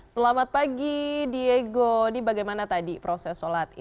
selamat pagi diego ini bagaimana tadi proses sholat